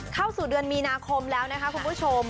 เข้าสู่เดือนมีนาคมแล้วนะคะคุณผู้ชม